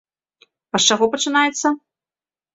А з чаго пачынаецца?